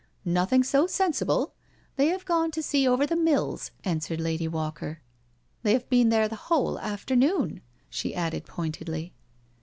"Nothing so sensible; they have gone to see over the mills," answered Lady Walker* " They have been there the whole afternoon," she added pointedly.